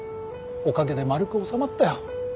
おかげで丸く収まったよ。